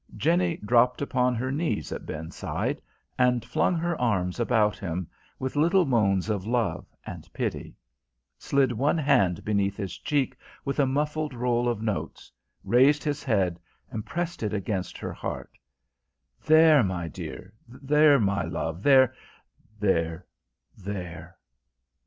Jenny dropped upon her knees at Ben's side, and flung her arms about him, with little moans of love and pity; slid one hand beneath his cheek, with a muffled roll of notes, raised his head and pressed it against her heart. "There, my dear! There, my love there there there!"